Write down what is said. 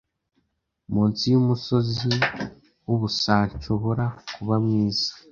Munsi yumusozi wubusanshobora kuba mwiza